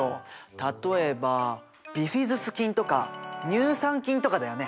例えばビフィズス菌とか乳酸菌とかだよね？